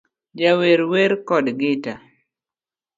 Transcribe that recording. Jawer wer kod gita